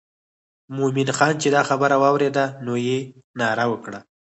مومن خان چې دا خبره واورېده نو یې ناره وکړه.